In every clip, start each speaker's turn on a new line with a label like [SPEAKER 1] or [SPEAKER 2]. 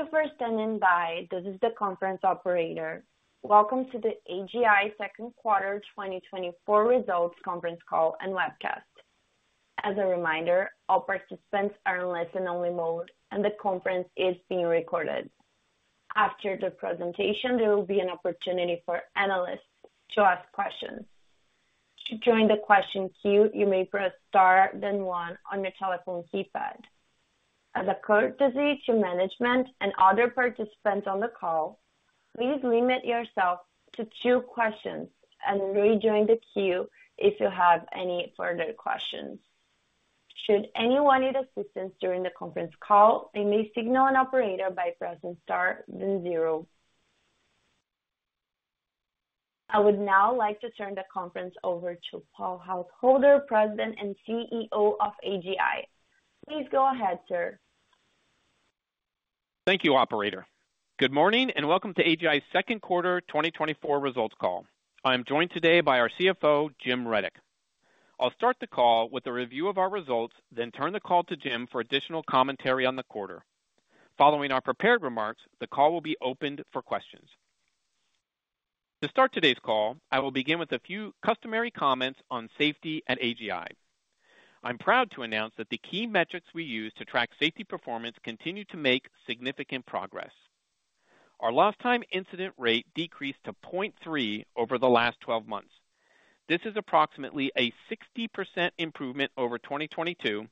[SPEAKER 1] Thank you for standing by. This is the conference operator. Welcome to the AGI Second Quarter 2024 Results Conference Call and Webcast. As a reminder, all participants are in listen-only mode, and the conference is being recorded. After the presentation, there will be an opportunity for analysts to ask questions. To join the question queue, you may press Star then one on your telephone keypad. As a courtesy to management and other participants on the call, please limit yourself to two questions and rejoin the queue if you have any further questions. Should anyone need assistance during the conference call, they may signal an operator by pressing Star then zero. I would now like to turn the conference over to Paul Householder, President and CEO of AGI. Please go ahead, sir.
[SPEAKER 2] Th`ank you, operator. Good morning, and welcome to AGI's second quarter 2024 results call. I am joined today by our CFO, Jim Rudyk. I'll start the call with a review of our results, then turn the call to Jim for additional commentary on the quarter. Following our prepared remarks, the call will be opened for questions. To start today's call, I will begin with a few customary comments on safety at AGI. I'm proud to announce that the key metrics we use to track safety performance continue to make significant progress. Our lost time incident rate decreased to 0.3 over the last 12 months. This is approximately a 60% improvement over 2022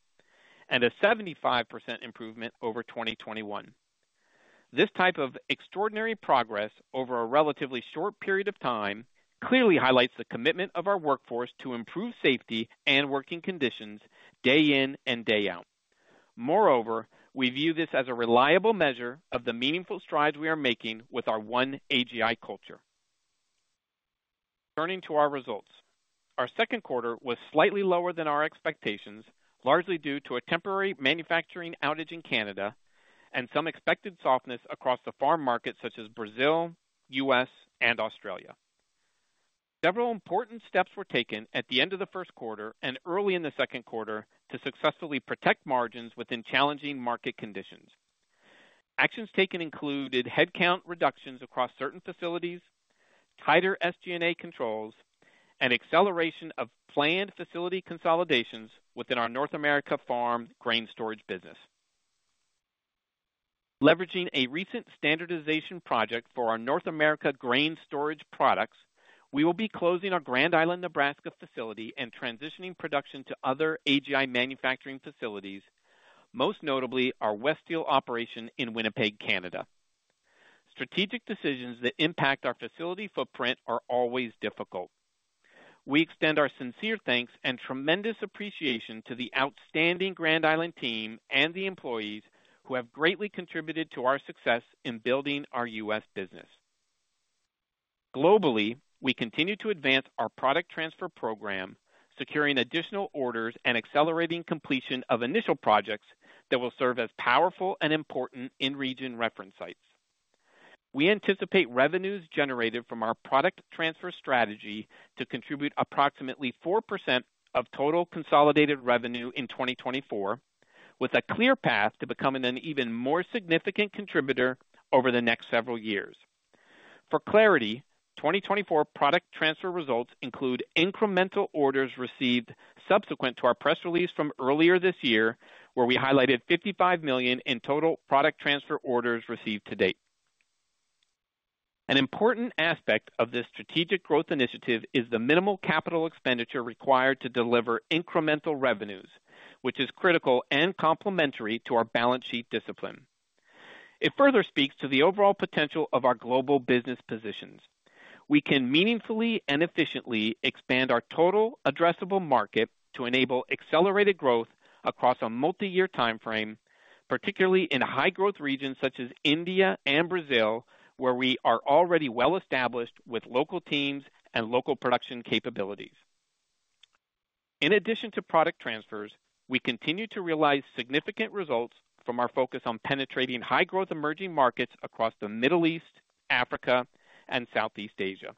[SPEAKER 2] and a 75% improvement over 2021. This type of extraordinary progress over a relatively short period of time clearly highlights the commitment of our workforce to improve safety and working conditions day in and day out. Moreover, we view this as a reliable measure of the meaningful strides we are making with our One AGI culture. Turning to our results. Our second quarter was slightly lower than our expectations, largely due to a temporary manufacturing outage in Canada and some expected softness across the farm markets such as Brazil, U.S., and Australia. Several important steps were taken at the end of the first quarter and early in the second quarter to successfully protect margins within challenging market conditions. Actions taken included headcount reductions across certain facilities, tighter SG&A controls, and acceleration of planned facility consolidations within our North America farm grain storage business. Leveraging a recent standardization project for our North America grain storage products, we will be closing our Grand Island, Nebraska, facility and transitioning production to other AGI manufacturing facilities, most notably our Westeel operation in Winnipeg, Canada. Strategic decisions that impact our facility footprint are always difficult. We extend our sincere thanks and tremendous appreciation to the outstanding Grand Island team and the employees who have greatly contributed to our success in building our U.S. business. Globally, we continue to advance our product transfer program, securing additional orders and accelerating completion of initial projects that will serve as powerful and important in-region reference sites. We anticipate revenues generated from our product transfer strategy to contribute approximately 4% of total consolidated revenue in 2024, with a clear path to becoming an even more significant contributor over the next several years. For clarity, 2024 product transfer results include incremental orders received subsequent to our press release from earlier this year, where we highlighted 55 million in total product transfer orders received to date. An important aspect of this strategic growth initiative is the minimal capital expenditure required to deliver incremental revenues, which is critical and complementary to our balance sheet discipline. It further speaks to the overall potential of our global business positions. We can meaningfully and efficiently expand our total addressable market to enable accelerated growth across a multi-year timeframe, particularly in high-growth regions such as India and Brazil, where we are already well-established with local teams and local production capabilities. In addition to product transfers, we continue to realize significant results from our focus on penetrating high-growth emerging markets across the Middle East, Africa, and Southeast Asia.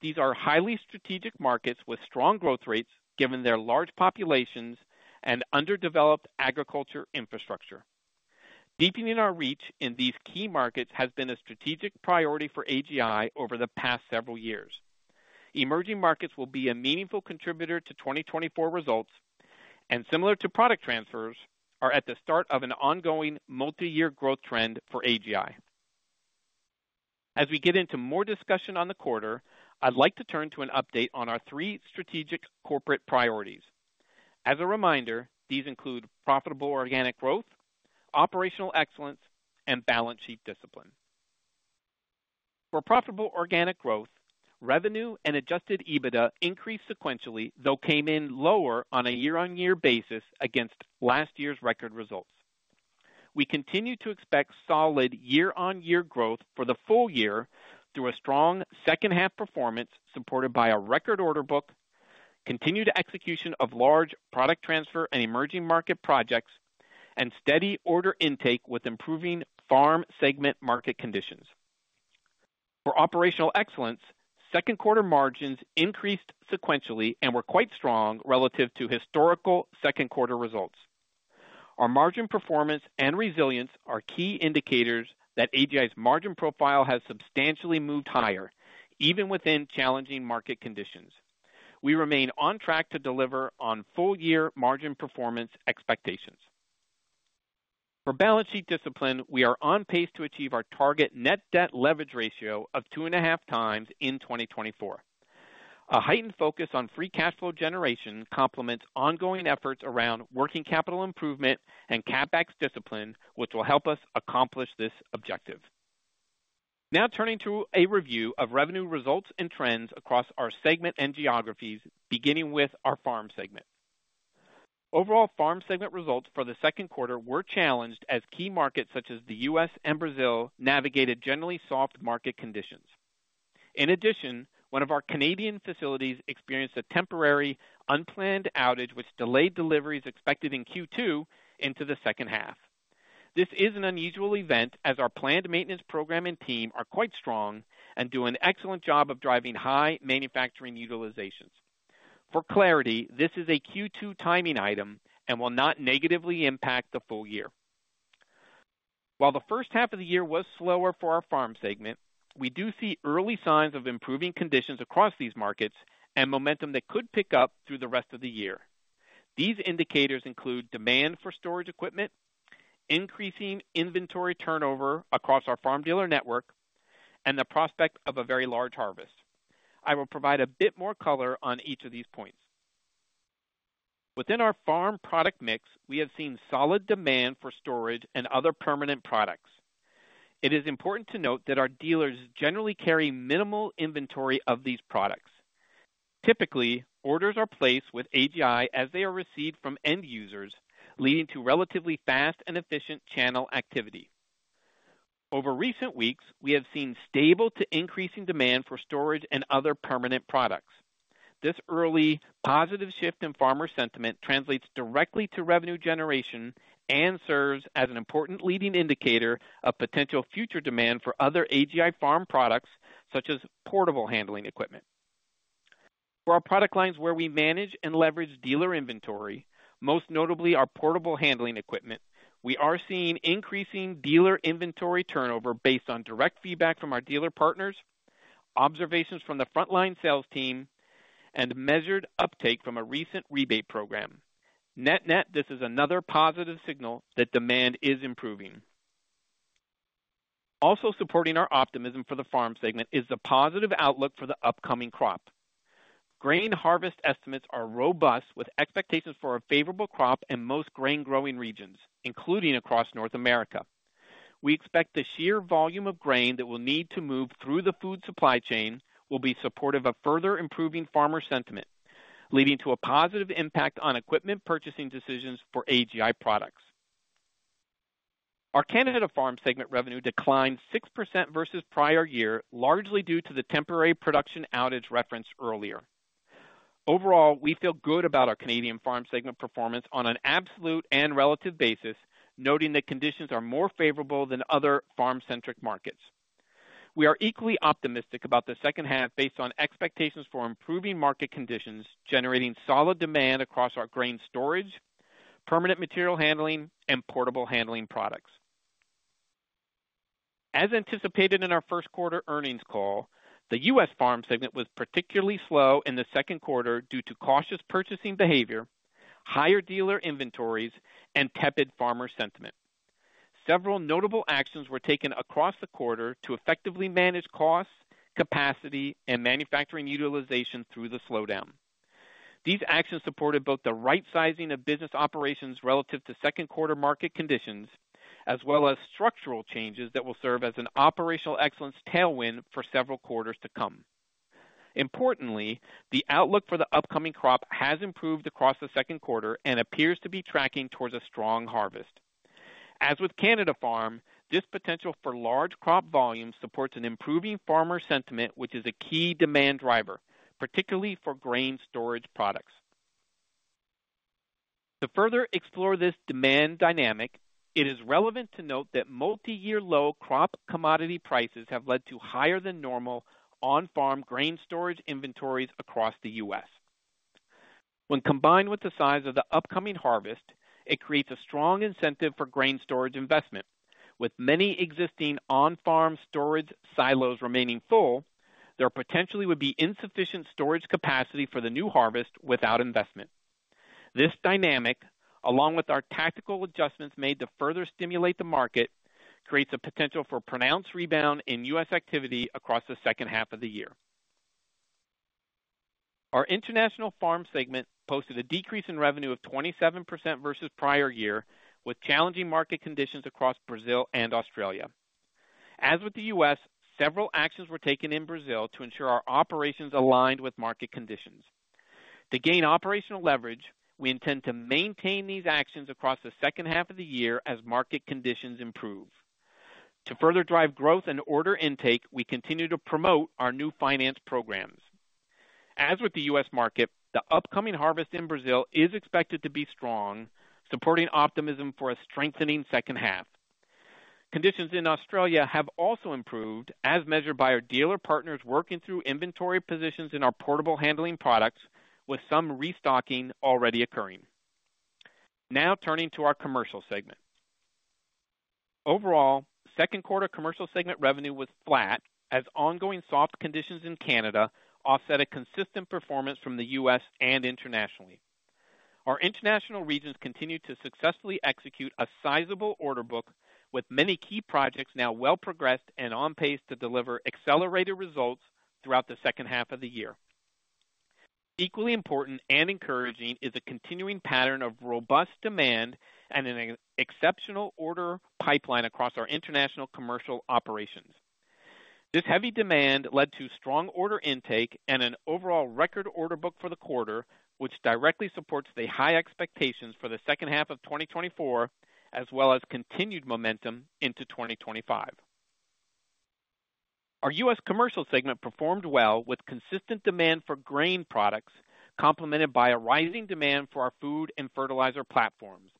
[SPEAKER 2] These are highly strategic markets with strong growth rates, given their large populations and underdeveloped agriculture infrastructure. Deepening our reach in these key markets has been a strategic priority for AGI over the past several years. Emerging markets will be a meaningful contributor to 2024 results, and, similar to product transfers, are at the start of an ongoing multi-year growth trend for AGI. As we get into more discussion on the quarter, I'd like to turn to an update on our three strategic corporate priorities. As a reminder, these include profitable organic growth, operational excellence, and balance sheet discipline. For profitable organic growth, revenue and adjusted EBITDA increased sequentially, though came in lower on a year-on-year basis against last year's record results. We continue to expect solid year-on-year growth for the full year through a strong second-half performance, supported by a record order book, continued execution of large product transfer and emerging market projects, and steady order intake with improving Farm segment market conditions. For operational excellence, second quarter margins increased sequentially and were quite strong relative to historical second quarter results. Our margin performance and resilience are key indicators that AGI's margin profile has substantially moved higher, even within challenging market conditions. We remain on track to deliver on full year margin performance expectations. For balance sheet discipline, we are on pace to achieve our target net debt leverage ratio of 2.5x in 2024. A heightened focus on free cash flow generation complements ongoing efforts around working capital improvement and CapEx discipline, which will help us accomplish this objective. Now turning to a review of revenue results and trends across our segment and geographies, beginning with our Farm segment. Overall, Farm segment results for the second quarter were challenged as key markets, such as the U.S. and Brazil, navigated generally soft market conditions. In addition, one of our Canadian facilities experienced a temporary, unplanned outage, which delayed deliveries expected in Q2 into the second half. This is an unusual event as our planned maintenance program and team are quite strong and do an excellent job of driving high manufacturing utilizations. For clarity, this is a Q2 timing item and will not negatively impact the full year. While the first half of the year was slower for our Farm segment, we do see early signs of improving conditions across these markets and momentum that could pick up through the rest of the year. These indicators include demand for storage equipment, increasing inventory turnover across our farm dealer network, and the prospect of a very large harvest. I will provide a bit more color on each of these points. Within our farm product mix, we have seen solid demand for storage and other permanent products. It is important to note that our dealers generally carry minimal inventory of these products. Typically, orders are placed with AGI as they are received from end users, leading to relatively fast and efficient channel activity. Over recent weeks, we have seen stable to increasing demand for storage and other permanent products. This early positive shift in farmer sentiment translates directly to revenue generation and serves as an important leading indicator of potential future demand for other AGI farm products, such as portable handling equipment. For our product lines, where we manage and leverage dealer inventory, most notably our portable handling equipment, we are seeing increasing dealer inventory turnover based on direct feedback from our dealer partners, observations from the frontline sales team, and measured uptake from a recent rebate program. Net-net, this is another positive signal that demand is improving. Also supporting our optimism for the Farm segment is the positive outlook for the upcoming crop. Grain harvest estimates are robust, with expectations for a favorable crop in most grain-growing regions, including across North America. We expect the sheer volume of grain that will need to move through the food supply chain will be supportive of further improving farmer sentiment, leading to a positive impact on equipment purchasing decisions for AGI products. Our Canada Farm segment revenue declined 6% versus prior year, largely due to the temporary production outage referenced earlier. Overall, we feel good about our Canadian Farm segment performance on an absolute and relative basis, noting that conditions are more favorable than other farm-centric markets. We are equally optimistic about the second half based on expectations for improving market conditions, generating solid demand across our grain storage, permanent material handling, and portable handling products. As anticipated in our first quarter earnings call, the U.S. Farm segment was particularly slow in the second quarter due to cautious purchasing behavior, higher dealer inventories, and tepid farmer sentiment. Several notable actions were taken across the quarter to effectively manage costs, capacity, and manufacturing utilization through the slowdown. These actions supported both the right sizing of business operations relative to second quarter market conditions, as well as structural changes that will serve as an operational excellence tailwind for several quarters to come. Importantly, the outlook for the upcoming crop has improved across the second quarter and appears to be tracking towards a strong harvest. As with Canada farm, this potential for large crop volume supports an improving farmer sentiment, which is a key demand driver, particularly for grain storage products. To further explore this demand dynamic, it is relevant to note that multi-year low crop commodity prices have led to higher than normal on-farm grain storage inventories across the U.S. When combined with the size of the upcoming harvest, it creates a strong incentive for grain storage investment. With many existing on-farm storage silos remaining full, there potentially would be insufficient storage capacity for the new harvest without investment. This dynamic, along with our tactical adjustments made to further stimulate the market, creates a potential for pronounced rebound in U.S. activity across the second half of the year. Our international Farm segment posted a decrease in revenue of 27% versus prior year, with challenging market conditions across Brazil and Australia. As with the U.S., several actions were taken in Brazil to ensure our operations aligned with market conditions. To gain operational leverage, we intend to maintain these actions across the second half of the year as market conditions improve. To further drive growth and order intake, we continue to promote our new finance programs. As with the U.S. market, the upcoming harvest in Brazil is expected to be strong, supporting optimism for a strengthening second half. Conditions in Australia have also improved, as measured by our dealer partners working through inventory positions in our portable handling products, with some restocking already occurring. Now turning to our Commercial segment. Overall, second quarter Commercial segment revenue was flat as ongoing soft conditions in Canada offset a consistent performance from the U.S. and internationally. Our international regions continued to successfully execute a sizable order book, with many key projects now well progressed and on pace to deliver accelerated results throughout the second half of the year. Equally important and encouraging is a continuing pattern of robust demand and an exceptional order pipeline across our international commercial operations. This heavy demand led to strong order intake and an overall record order book for the quarter, which directly supports the high expectations for the second half of 2024, as well as continued momentum into 2025. Our U.S. Commercial segment performed well, with consistent demand for grain products, complemented by a rising demand for our food and fertilizer platforms,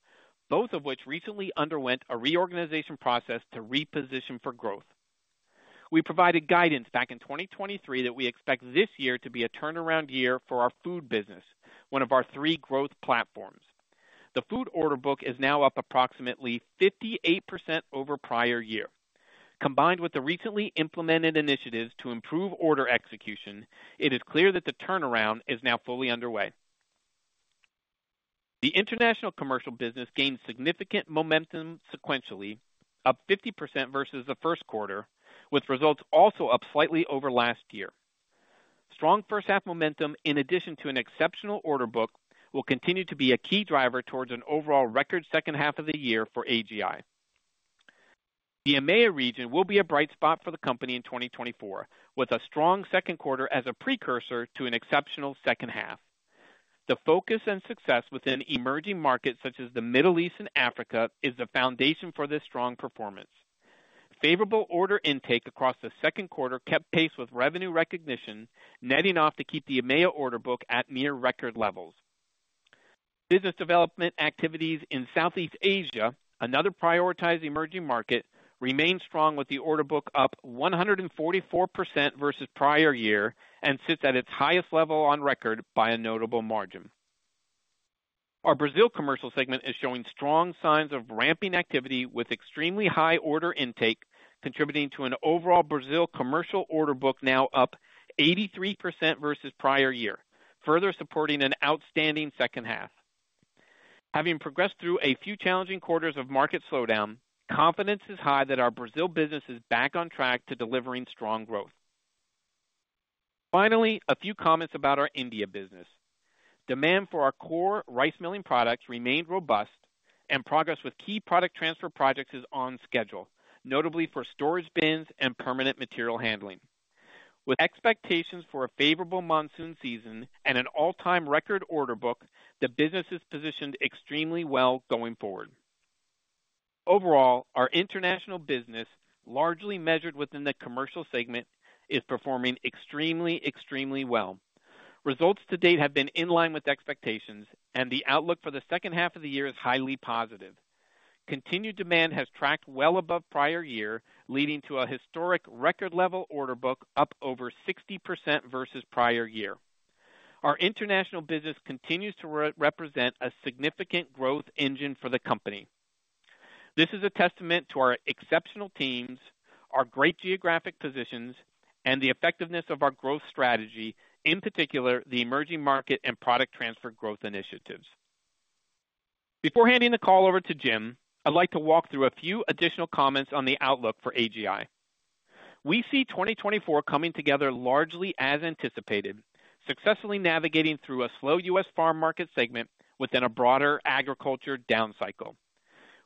[SPEAKER 2] both of which recently underwent a reorganization process to reposition for growth. We provided guidance back in 2023 that we expect this year to be a turnaround year for our food business, one of our three growth platforms. The food order book is now up approximately 58% over prior year. Combined with the recently implemented initiatives to improve order execution, it is clear that the turnaround is now fully underway. The international commercial business gained significant momentum sequentially, up 50% versus the first quarter, with results also up slightly over last year. Strong first half momentum, in addition to an exceptional order book, will continue to be a key driver towards an overall record second half of the year for AGI. The EMEA region will be a bright spot for the company in 2024, with a strong second quarter as a precursor to an exceptional second half. The focus and success within emerging markets such as the Middle East and Africa, is the foundation for this strong performance. Favorable order intake across the second quarter kept pace with revenue recognition, netting off to keep the EMEA order book at near record levels. Business development activities in Southeast Asia, another prioritized emerging market, remains strong, with the order book up 144% versus prior year and sits at its highest level on record by a notable margin. Our Brazil Commercial segment is showing strong signs of ramping activity, with extremely high order intake, contributing to an overall Brazil commercial order book now up 83% versus prior year, further supporting an outstanding second half. Having progressed through a few challenging quarters of market slowdown, confidence is high that our Brazil business is back on track to delivering strong growth. Finally, a few comments about our India business. Demand for our core rice milling products remained robust, and progress with key product transfer projects is on schedule, notably for storage bins and permanent material handling. With expectations for a favorable monsoon season and an all-time record order book, the business is positioned extremely well going forward. Overall, our international business, largely measured within the Commercial segment, is performing extremely, extremely well. Results to date have been in line with expectations, and the outlook for the second half of the year is highly positive. Continued demand has tracked well above prior year, leading to a historic record level order book up over 60% versus prior year. Our international business continues to represent a significant growth engine for the company. This is a testament to our exceptional teams, our great geographic positions, and the effectiveness of our growth strategy, in particular, the emerging market and product transfer growth initiatives. Before handing the call over to Jim, I'd like to walk through a few additional comments on the outlook for AGI. We see 2024 coming together largely as anticipated, successfully navigating through a slow U.S. Farm Market segment within a broader agriculture down cycle.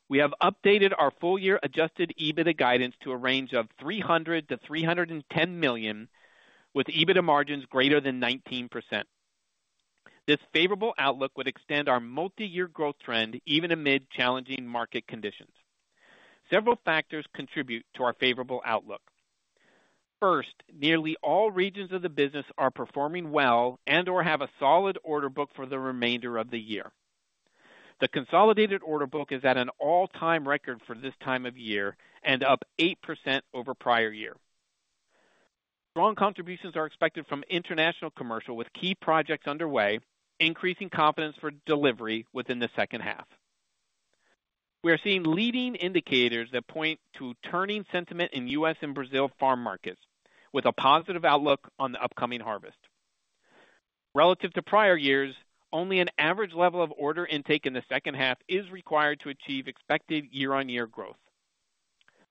[SPEAKER 2] We have updated our full year adjusted EBITDA guidance to a range of 300 million-310 million, with EBITDA margins greater than 19%. This favorable outlook would extend our multi-year growth trend even amid challenging market conditions. Several factors contribute to our favorable outlook. First, nearly all regions of the business are performing well and/or have a solid order book for the remainder of the year. The consolidated order book is at an all-time record for this time of year and up 8% over prior year. Strong contributions are expected from international commercial, with key projects underway, increasing confidence for delivery within the second half. We are seeing leading indicators that point to turning sentiment in U.S. and Brazil farm markets with a positive outlook on the upcoming harvest. Relative to prior years, only an average level of order intake in the second half is required to achieve expected year-on-year growth.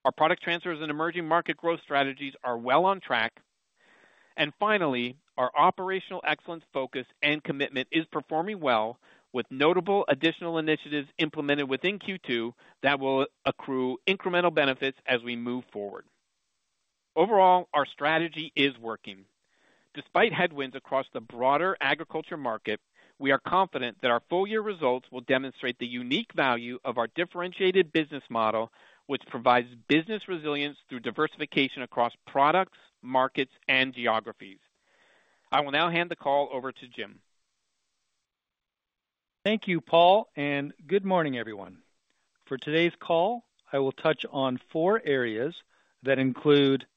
[SPEAKER 2] Our product transfers and emerging market growth strategies are well on track. And finally, our operational excellence focus and commitment is performing well, with notable additional initiatives implemented within Q2 that will accrue incremental benefits as we move forward. Overall, our strategy is working. Despite headwinds across the broader agriculture market, we are confident that our full year results will demonstrate the unique value of our differentiated business model, which provides business resilience through diversification across products, markets, and geographies. I will now hand the call over to Jim.
[SPEAKER 3] Thank you, Paul, and good morning, everyone. For today's call, I will touch on four areas that include: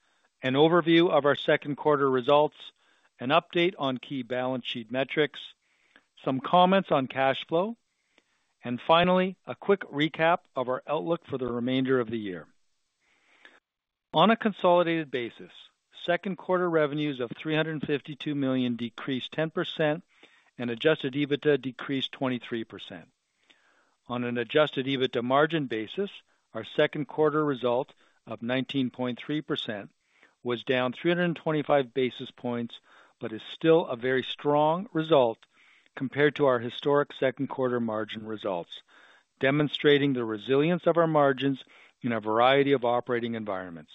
[SPEAKER 3] an overview of our second quarter results, an update on key balance sheet metrics, some comments on cash flow, and finally, a quick recap of our outlook for the remainder of the year. On a consolidated basis, second quarter revenues of 352 million decreased 10% and adjusted EBITDA decreased 23%. On an adjusted EBITDA margin basis, our second quarter result of 19.3% was down 325 basis points, but is still a very strong result compared to our historic second quarter margin results, demonstrating the resilience of our margins in a variety of operating environments.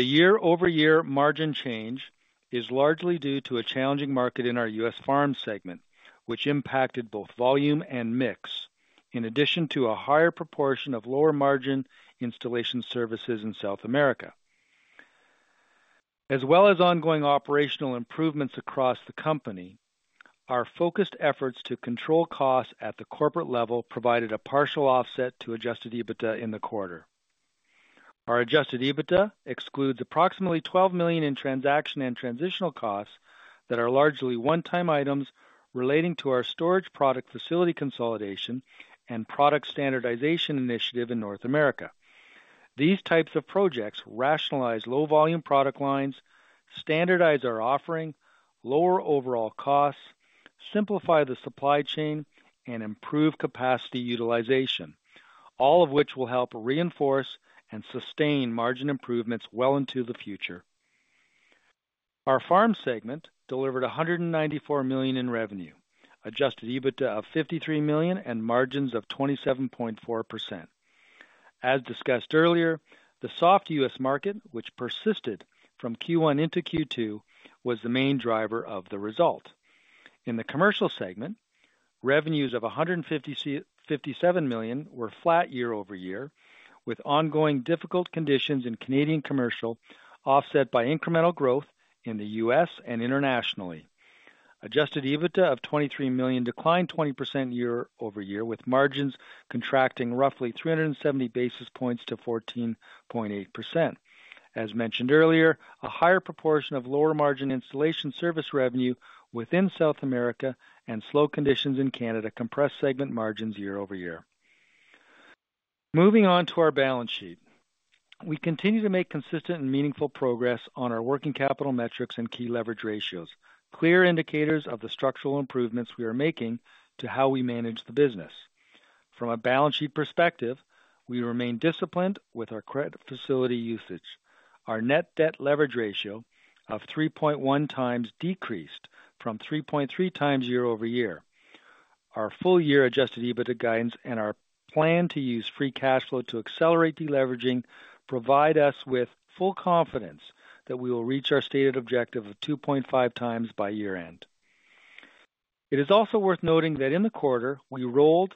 [SPEAKER 3] The year-over-year margin change is largely due to a challenging market in our U.S. Farm segment, which impacted both volume and mix, in addition to a higher proportion of lower margin installation services in South America. As well as ongoing operational improvements across the company, our focused efforts to control costs at the corporate level provided a partial offset to adjusted EBITDA in the quarter. Our adjusted EBITDA excludes approximately 12 million in transaction and transitional costs that are largely one-time items relating to our storage product facility consolidation and product standardization initiative in North America. These types of projects rationalize low-volume product lines, standardize our offering, lower overall costs, simplify the supply chain, and improve capacity utilization, all of which will help reinforce and sustain margin improvements well into the future. Our Farm segment delivered 194 million in revenue, adjusted EBITDA of 53 million, and margins of 27.4%. As discussed earlier, the soft U.S. market, which persisted from Q1 into Q2, was the main driver of the result. In the Commercial segment, revenues of 157 million were flat year-over-year, with ongoing difficult conditions in Canadian commercial, offset by incremental growth in the U.S. and internationally. Adjusted EBITDA of 23 million declined 20% year-over-year, with margins contracting roughly 370 basis points to 14.8%. As mentioned earlier, a higher proportion of lower-margin installation service revenue within South America and slow conditions in Canada Compressed segment margins year-over-year. Moving on to our balance sheet. We continue to make consistent and meaningful progress on our working capital metrics and key leverage ratios, clear indicators of the structural improvements we are making to how we manage the business. From a balance sheet perspective, we remain disciplined with our credit facility usage. Our net debt leverage ratio of 3.1x decreased from 3.3x year-over-year. Our full-year adjusted EBITDA guidance and our plan to use free cash flow to accelerate deleveraging provide us with full confidence that we will reach our stated objective of 2.5x by year-end. It is also worth noting that in the quarter, we rolled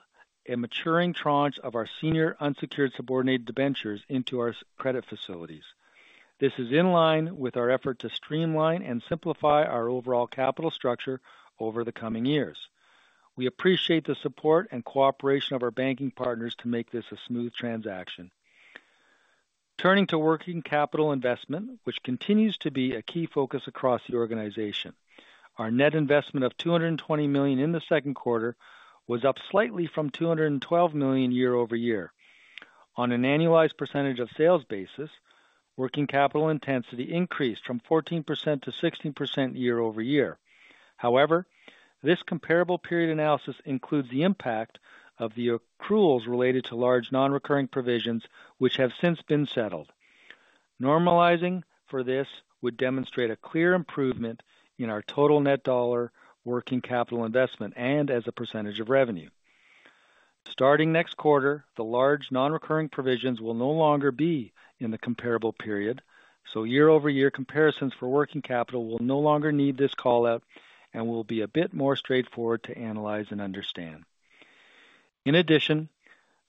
[SPEAKER 3] a maturing tranche of our senior unsecured subordinated debentures into our credit facilities. This is in line with our effort to streamline and simplify our overall capital structure over the coming years. We appreciate the support and cooperation of our banking partners to make this a smooth transaction. Turning to working capital investment, which continues to be a key focus across the organization. Our net investment of 220 million in the second quarter was up slightly from 212 million year-over-year. On an annualized percentage of sales basis, working capital intensity increased from 14%-16% year-over-year. However, this comparable period analysis includes the impact of the accruals related to large, non-recurring provisions, which have since been settled. Normalizing for this would demonstrate a clear improvement in our total net dollar working capital investment and as a percentage of revenue. Starting next quarter, the large non-recurring provisions will no longer be in the comparable period, so year-over-year comparisons for working capital will no longer need this call-out and will be a bit more straightforward to analyze and understand. In addition,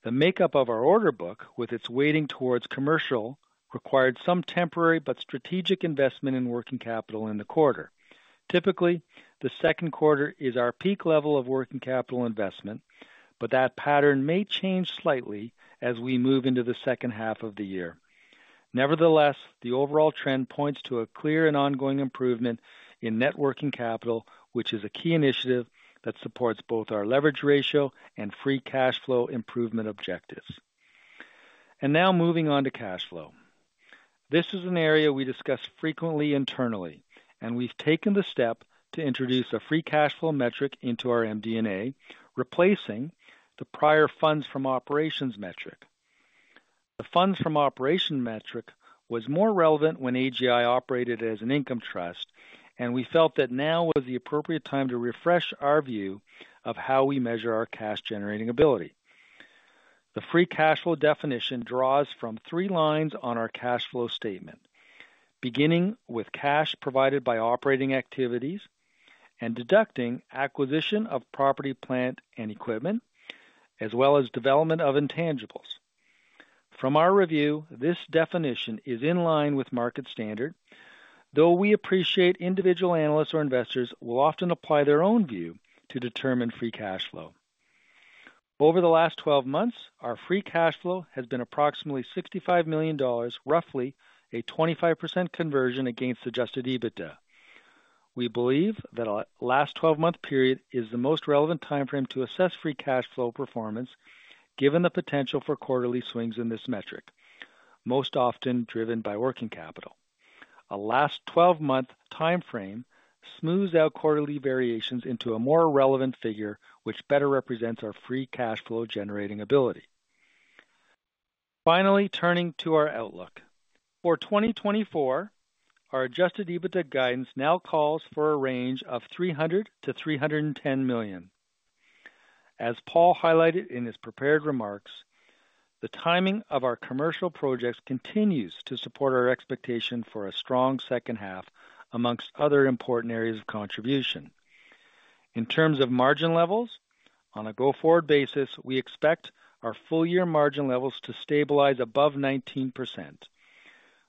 [SPEAKER 3] the makeup of our order book, with its weighting towards commercial, required some temporary but strategic investment in working capital in the quarter. Typically, the second quarter is our peak level of working capital investment, but that pattern may change slightly as we move into the second half of the year. Nevertheless, the overall trend points to a clear and ongoing improvement in net working capital, which is a key initiative that supports both our leverage ratio and free cash flow improvement objectives. And now moving on to cash flow. This is an area we discuss frequently internally, and we've taken the step to introduce a free cash flow metric into our MD&A, replacing the prior funds from operations metric. The funds from operations metric was more relevant when AGI operated as an income trust, and we felt that now was the appropriate time to refresh our view of how we measure our cash-generating ability. The free cash flow definition draws from three lines on our cash flow statement, beginning with cash provided by operating activities and deducting acquisition of property, plant, and equipment, as well as development of intangibles. From our review, this definition is in line with market standard, though we appreciate individual analysts or investors will often apply their own view to determine free cash flow. Over the last 12 months, our free cash flow has been approximately 65 million dollars, roughly a 25% conversion against adjusted EBITDA. We believe that our last 12-month period is the most relevant timeframe to assess free cash flow performance, given the potential for quarterly swings in this metric, most often driven by working capital. A last 12-month timeframe smooths out quarterly variations into a more relevant figure, which better represents our free cash flow generating ability. Finally, turning to our outlook. For 2024, our adjusted EBITDA guidance now calls for a range of 300 million-310 million. As Paul highlighted in his prepared remarks, the timing of our commercial projects continues to support our expectation for a strong second half, among other important areas of contribution. In terms of margin levels, on a go-forward basis, we expect our full year margin levels to stabilize above 19%.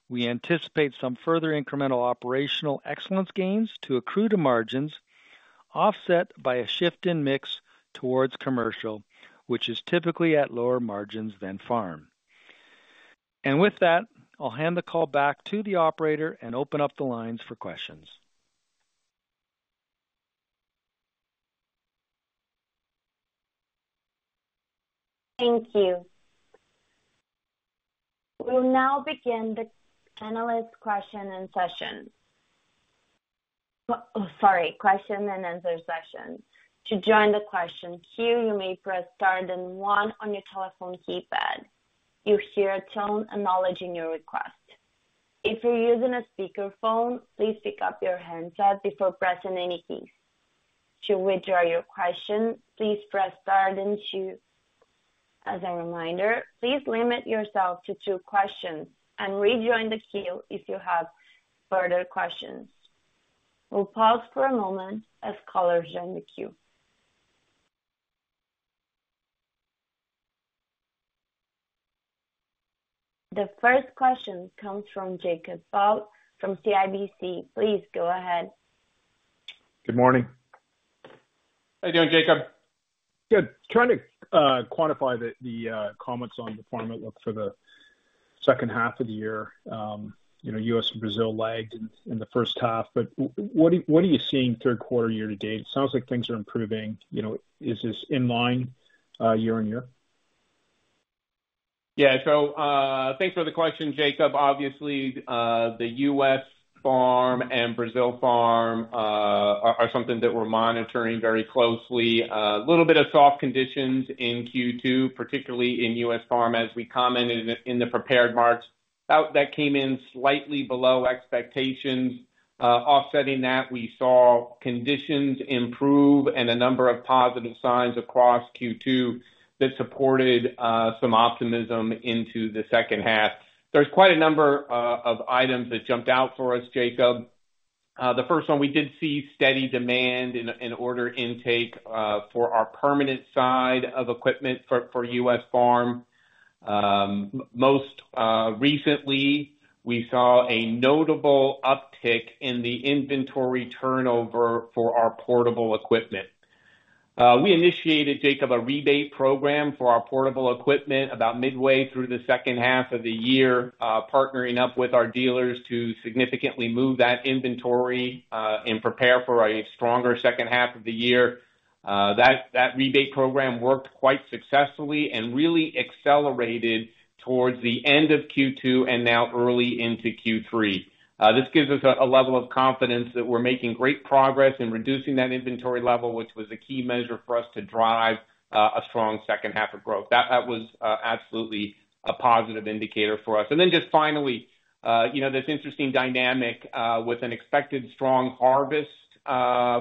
[SPEAKER 3] We anticipate some further incremental operational excellence gains to accrue to margins, offset by a shift in mix towards commercial, which is typically at lower margins than farm. With that, I'll hand the call back to the operator and open up the lines for questions.
[SPEAKER 1] Thank you. We'll now begin the analyst question and session. Sorry, question and answer session. To join the question queue, you may press star then one on your telephone keypad. You'll hear a tone acknowledging your request. If you're using a speakerphone, please pick up your handset before pressing any keys. To withdraw your question, please press star then two. As a reminder, please limit yourself to two questions and rejoin the queue if you have further questions. We'll pause for a moment as callers join the queue. The first question comes from Jacob Ball from CIBC. Please go ahead.
[SPEAKER 4] Good morning.
[SPEAKER 2] How you doing, Jacob?
[SPEAKER 4] Good. Trying to quantify the comments on the farm outlook for the second half of the year. You know, U.S. and Brazil lagged in the first half, but what are you seeing third quarter year to date? Sounds like things are improving. You know, is this in line year on year?
[SPEAKER 2] Yeah. So, thanks for the question, Jacob. Obviously, the U.S. farm and Brazil farm are something that we're monitoring very closely. A little bit of soft conditions in Q2, particularly in U.S. farm. As we commented in the prepared remarks, that came in slightly below expectations. Offsetting that, we saw conditions improve and a number of positive signs across Q2 that supported some optimism into the second half. There's quite a number of items that jumped out for us, Jacob. The first one, we did see steady demand in order intake for our permanent side of equipment for U.S. farm. Most recently, we saw a notable uptick in the inventory turnover for our portable equipment. We initiated, Jacob, a rebate program for our portable equipment about midway through the second half of the year, partnering up with our dealers to significantly move that inventory, and prepare for a stronger second half of the year. That rebate program worked quite successfully and really accelerated towards the end of Q2 and now early into Q3. This gives us a level of confidence that we're making great progress in reducing that inventory level, which was a key measure for us to drive a strong second half of growth. That was absolutely a positive indicator for us. And then just finally, you know, this interesting dynamic, with an expected strong harvest,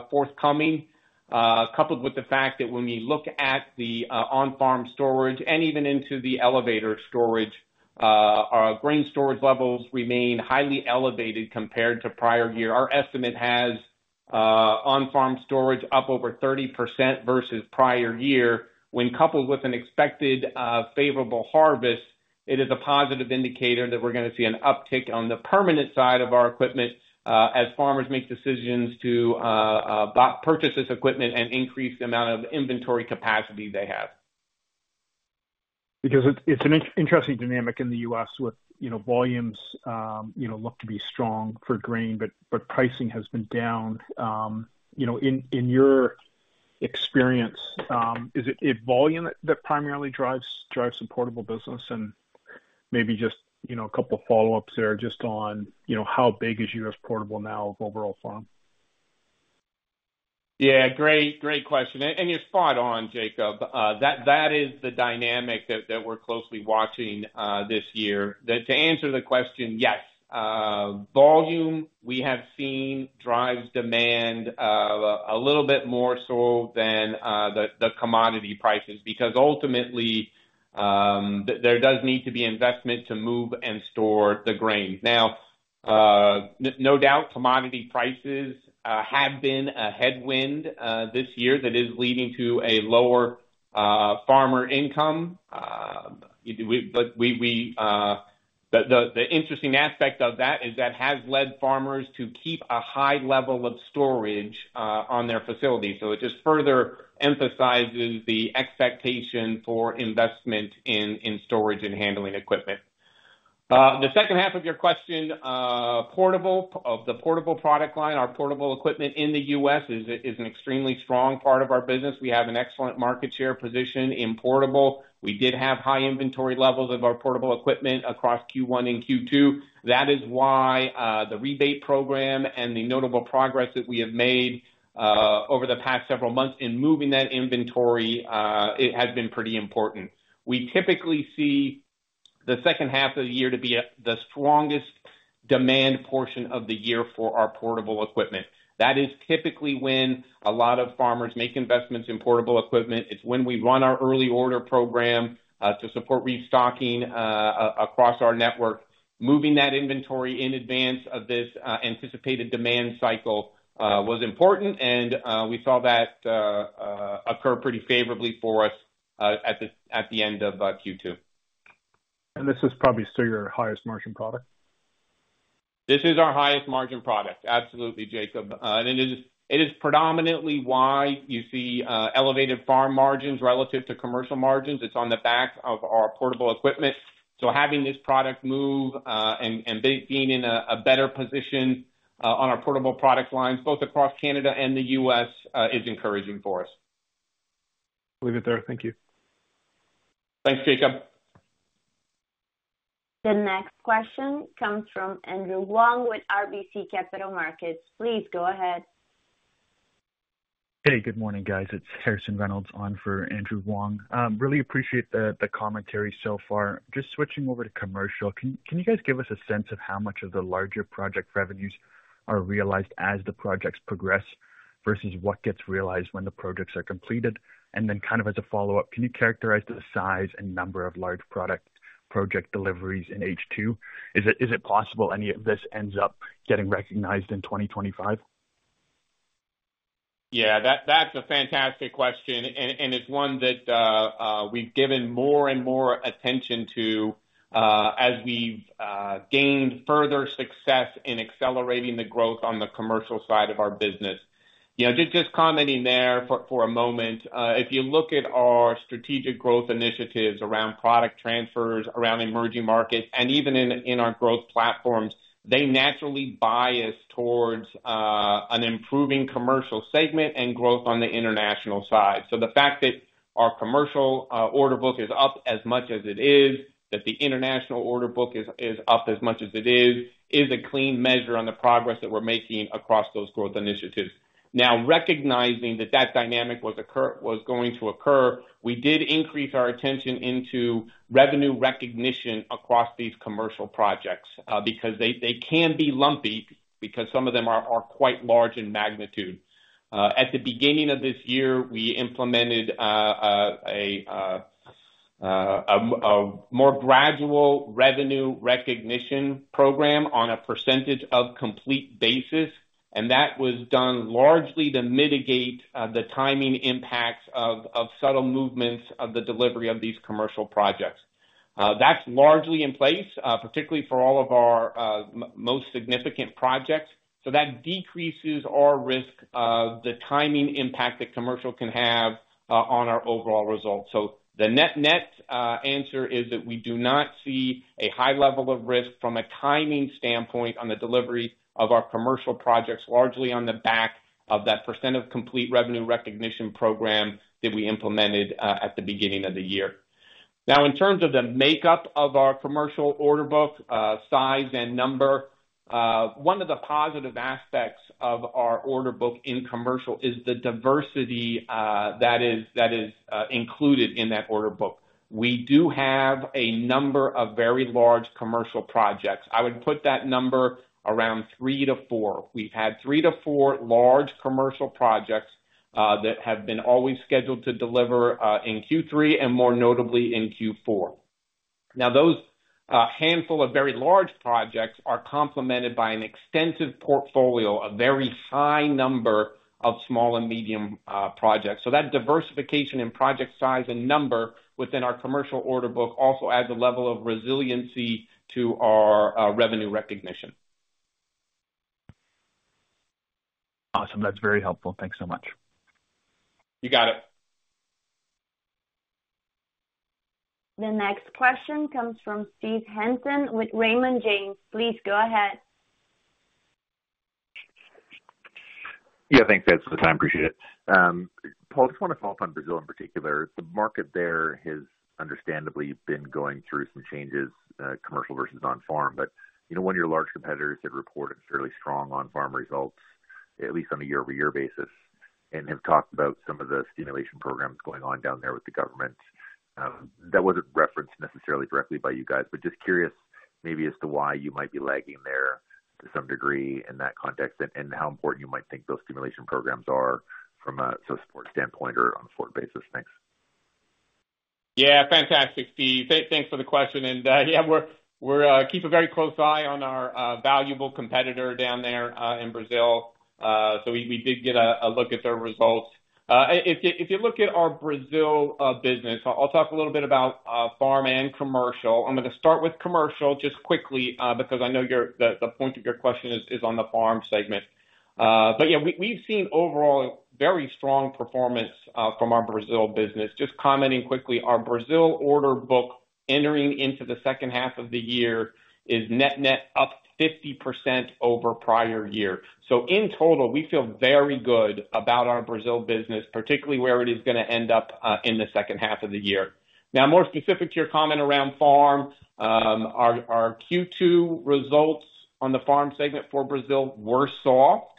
[SPEAKER 2] forthcoming, coupled with the fact that when we look at the, on-farm storage and even into the elevator storage, our grain storage levels remain highly elevated compared to prior year. Our estimate has, on-farm storage up over 30% versus prior year. When coupled with an expected, favorable harvest, it is a positive indicator that we're gonna see an uptick on the permanent side of our equipment, as farmers make decisions to, buy, purchase this equipment and increase the amount of inventory capacity they have.
[SPEAKER 4] Because it's an interesting dynamic in the U.S. with, you know, volumes, you know, look to be strong for grain, but pricing has been down. You know, in your experience, is it volume that primarily drives the portable business? And maybe just, you know, a couple of follow-ups there, just on, you know, how big is U.S. portable now of overall farm?
[SPEAKER 2] Yeah, great. Great question, and you're spot on, Jacob. That is the dynamic that we're closely watching this year. To answer the question, yes, volume we have seen drives demand a little bit more so than the commodity prices. Because ultimately, there does need to be investment to move and store the grain. No doubt, commodity prices have been a headwind this year that is leading to a lower farmer income. But we, the interesting aspect of that is that has led farmers to keep a high level of storage on their facilities. So it just further emphasizes the expectation for investment in storage and handling equipment. The second half of your question, portable. Of the portable product line, our portable equipment in the U.S. is an extremely strong part of our business. We have an excellent market share position in portable. We did have high inventory levels of our portable equipment across Q1 and Q2. That is why the rebate program and the notable progress that we have made over the past several months in moving that inventory, it has been pretty important. We typically see the second half of the year to be the strongest demand portion of the year for our portable equipment. That is typically when a lot of farmers make investments in portable equipment. It's when we run our early order program to support restocking across our network. Moving that inventory in advance of this anticipated demand cycle was important, and we saw that occur pretty favorably for us at the end of Q2.
[SPEAKER 4] This is probably still your highest margin product?
[SPEAKER 2] This is our highest margin product. Absolutely, Jacob. And it is predominantly why you see elevated farm margins relative to commercial margins. It's on the back of our portable equipment. So having this product move and being in a better position on our portable product lines, both across Canada and the U.S., is encouraging for us.
[SPEAKER 4] Leave it there. Thank you.
[SPEAKER 3] Thanks, Jacob.
[SPEAKER 1] The next question comes from Andrew Wong with RBC Capital Markets. Please go ahead.
[SPEAKER 5] Hey, good morning, guys. It's Harrison Reynolds on for Andrew Wong. Really appreciate the commentary so far. Just switching over to commercial, can you guys give us a sense of how much of the larger project revenues are realized as the projects progress, versus what gets realized when the projects are completed? And then kind of as a follow-up, can you characterize the size and number of large product project deliveries in H2? Is it possible any of this ends up getting recognized in 2025?
[SPEAKER 2] Yeah, that's a fantastic question, and it's one that we've given more and more attention to, as we've gained further success in accelerating the growth on the commercial side of our business. You know, just commenting there for a moment. If you look at our strategic growth initiatives around product transfers, around emerging markets, and even in our growth platforms, they naturally bias towards an improving Commercial segment and growth on the international side. So the fact that our commercial order book is up as much as it is, that the international order book is up as much as it is, is a clean measure on the progress that we're making across those growth initiatives. Now, recognizing that that dynamic was going to occur, we did increase our attention into revenue recognition across these commercial projects, because they can be lumpy, because some of them are quite large in magnitude. At the beginning of this year, we implemented a more gradual revenue recognition program on a percentage of completion basis, and that was done largely to mitigate the timing impacts of subtle movements of the delivery of these commercial projects. That's largely in place, particularly for all of our most significant projects. So that decreases our risk of the timing impact that commercial can have on our overall results. So the net, net, answer is that we do not see a high level of risk from a timing standpoint on the delivery of our commercial projects, largely on the back of that percentage of completion revenue recognition program that we implemented at the beginning of the year. Now, in terms of the makeup of our commercial order book, size and number, one of the positive aspects of our order book in commercial is the diversity that is included in that order book. We do have a number of very large commercial projects. I would put that number around 3-4. We've had 3-4 large commercial projects that have been always scheduled to deliver in Q3, and more notably in Q4. Now, those handful of very large projects are complemented by an extensive portfolio, a very high number of small and medium projects. So that diversification in project size and number within our commercial order book also adds a level of resiliency to our revenue recognition.
[SPEAKER 5] Awesome. That's very helpful. Thanks so much.
[SPEAKER 2] You got it.
[SPEAKER 1] The next question comes from Steve Hansen with Raymond James. Please go ahead.
[SPEAKER 6] Yeah, thanks. Thanks for the time. Appreciate it. Paul, just want to follow up on Brazil in particular. The market there has understandably been going through some changes, commercial versus on-farm, but, you know, one of your large competitors had reported fairly strong on-farm results, at least on a year-over-year basis, and have talked about some of the stimulation programs going on down there with the government. That wasn't referenced necessarily directly by you guys, but just curious maybe as to why you might be lagging there to some degree in that context, and, and how important you might think those stimulation programs are from a support standpoint or on a forward basis. Thanks.
[SPEAKER 2] Yeah, fantastic, Steve. Thanks for the question. And, yeah, we keep a very close eye on our valuable competitor down there in Brazil. So we did get a look at their results. If you look at our Brazil business, I'll talk a little bit about farm and commercial. I'm gonna start with commercial just quickly, because I know the point of your question is on the Farm segment. But, yeah, we've seen overall very strong performance from our Brazil business. Just commenting quickly, our Brazil order book entering into the second half of the year is net-net up 50% over prior year. So in total, we feel very good about our Brazil business, particularly where it is gonna end up in the second half of the year. Now, more specific to your comment around farm, our Q2 results on the Farm segment for Brazil were soft.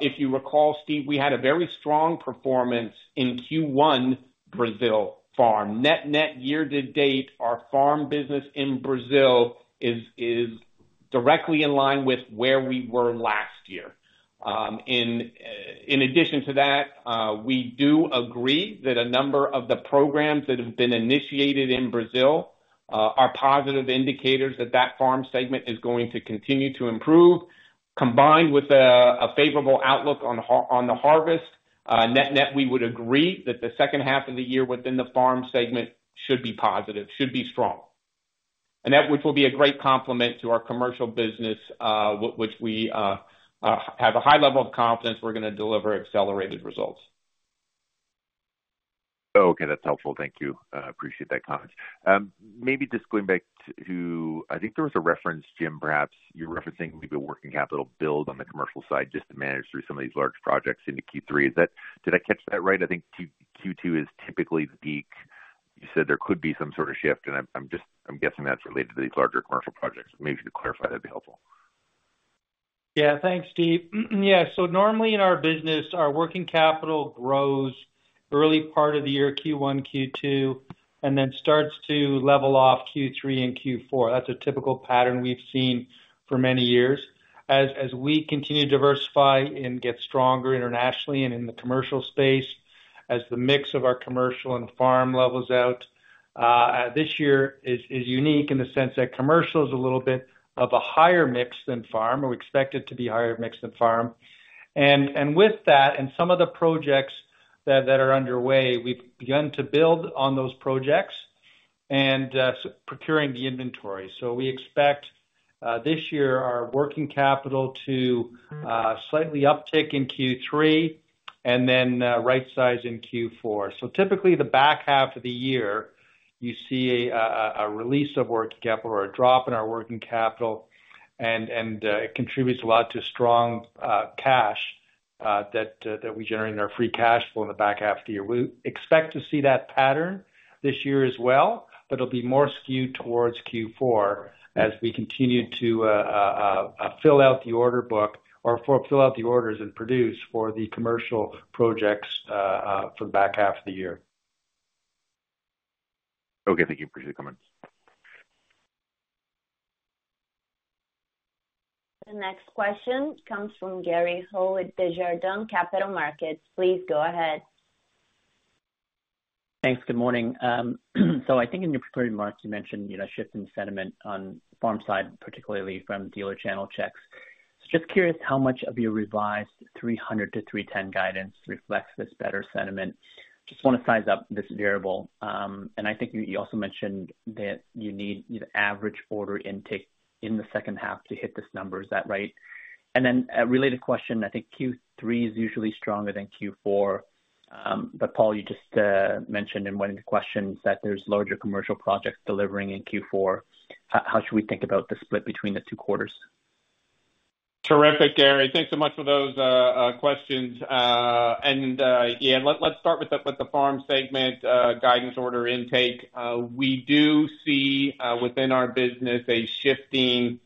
[SPEAKER 2] If you recall, Steve, we had a very strong performance in Q1 Brazil farm. Net-net, year to date, our farm business in Brazil is directly in line with where we were last year. In addition to that, we do agree that a number of the programs that have been initiated in Brazil are positive indicators that the Farm segment is going to continue to improve, combined with a favorable outlook on the harvest. Net-net, we would agree that the second half of the year within the Farm segment should be positive, should be strong. That which will be a great complement to our commercial business, which we have a high level of confidence we're gonna deliver accelerated results.
[SPEAKER 6] Okay, that's helpful. Thank you. Appreciate that comment. Maybe just going back to, I think there was a reference, Jim, perhaps you're referencing maybe a working capital build on the commercial side just to manage through some of these large projects into Q3. Is that, did I catch that right? I think Q2 is typically the peak. You said there could be some sort of shift, and I'm just guessing that's related to these larger commercial projects. Maybe to clarify, that'd be helpful.
[SPEAKER 2] Yeah. Thanks, Steve. Yeah. So normally in our business, our working capital grows early part of the year, Q1, Q2, and then starts to level off Q3 and Q4. That's a typical pattern we've seen for many years. As we continue to diversify and get stronger internationally and in the commercial space, as the mix of our commercial and farm levels out, this year is unique in the sense that commercial is a little bit of a higher mix than farm, and we expect it to be higher mix than farm. And with that, and some of the projects that are underway, we've begun to build on those projects and procuring the inventory. So we expect this year, our working capital to slightly uptick in Q3 and then right size in Q4. So typically, the back half of the year, you see a release of working capital or a drop in our working capital, and it contributes a lot to strong cash that we generate in our free cash flow in the back half of the year. We expect to see that pattern this year as well, but it'll be more skewed towards Q4 as we continue to fill out the order book or for fill out the orders and produce for the commercial projects for the back half of the year.
[SPEAKER 6] Okay, thank you. Appreciate the comments.
[SPEAKER 1] The next question comes from Gary Ho with Desjardins Capital Markets. Please go ahead.
[SPEAKER 7] Thanks. Good morning. So I think in your prepared remarks, you mentioned, you know, a shift in sentiment on farm side, particularly from dealer channel checks. So just curious how much of your revised 300 million-310 million guidance reflects this better sentiment? Just want to size up this variable. And I think you also mentioned that you need the average order intake in the second half to hit this number. Is that right? And then a related question, I think Q3 is usually stronger than Q4, but Paul, you just mentioned in one of the questions that there's larger commercial projects delivering in Q4. How should we think about the split between the two quarters? Terrific, Gary. Thanks so much for those questions. Let's start with the Farm segment guidance order intake.
[SPEAKER 2] We do see, within our business, a shifting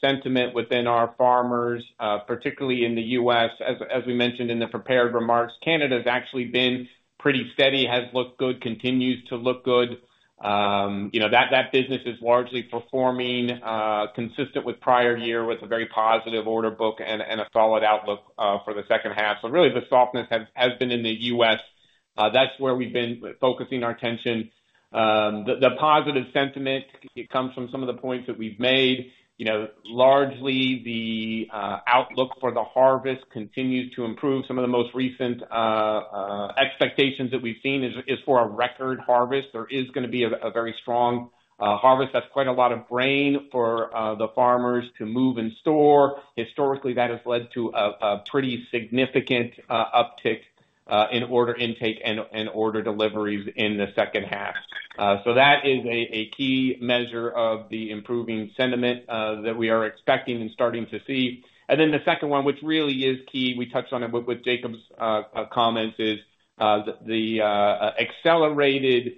[SPEAKER 2] sentiment within our farmers, particularly in the U.S. As we mentioned in the prepared remarks, Canada has actually been pretty steady, has looked good, continues to look good. You know, that business is largely performing consistent with prior year, with a very positive order book and a solid outlook for the second half. So really, the softness has been in the U.S. That's where we've been focusing our attention. The positive sentiment, it comes from some of the points that we've made. You know, largely the outlook for the harvest continues to improve. Some of the most recent expectations that we've seen is for a record harvest. There is gonna be a very strong harvest. That's quite a lot of rain for the farmers to move and store. Historically, that has led to a pretty significant uptick in order intake and order deliveries in the second half. So that is a key measure of the improving sentiment that we are expecting and starting to see. And then the second one, which really is key, we touched on it with Jacob's comments, is the accelerated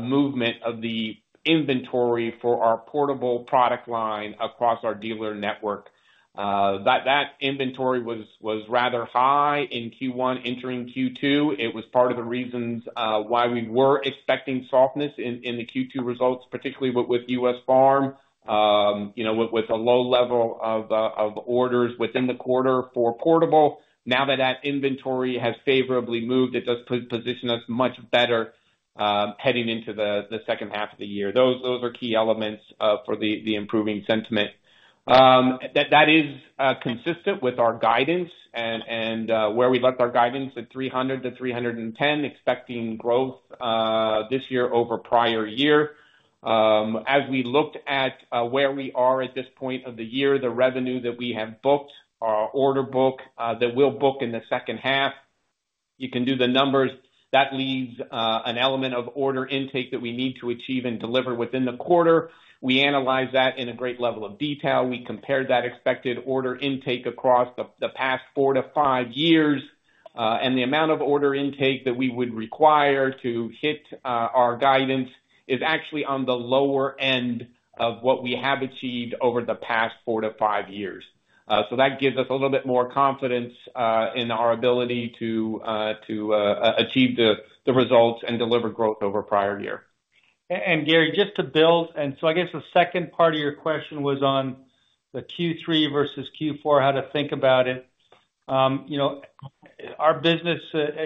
[SPEAKER 2] movement of the inventory for our portable product line across our dealer network. That inventory was rather high in Q1. Entering Q2, it was part of the reasons why we were expecting softness in the Q2 results, particularly with U.S. farm, you know, with a low level of orders within the quarter for portable. Now that that inventory has favorably moved, it does position us much better heading into the second half of the year. Those are key elements for the improving sentiment. That is consistent with our guidance and where we left our guidance at 300 million-310 million, expecting growth this year over prior year. As we looked at where we are at this point of the year, the revenue that we have booked, our order book that we'll book in the second half, you can do the numbers. That leaves an element of order intake that we need to achieve and deliver within the quarter. We analyze that in a great level of detail. We compared that expected order intake across the past 4 years-5 years, and the amount of order intake that we would require to hit our guidance is actually on the lower end of what we have achieved over the past 4 years-5 years. So that gives us a little bit more confidence in our ability to achieve the results and deliver growth over prior year.
[SPEAKER 3] Gary, just to build, and so I guess the second part of your question was on the Q3 versus Q4, how to think about it. You know, our business,